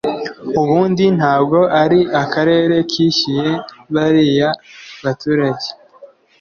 Ubundi ntabwo ari akarere kishyuye bariya baturage